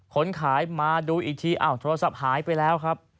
คนขายมาดูอีกทีอ้าวโทรศัพท์หายไปแล้วครับ